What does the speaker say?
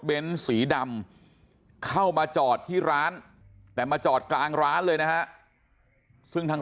สีดำเข้ามาจอดที่ร้านแต่มาจอดกลางร้านเลยนะฮะซึ่งทาง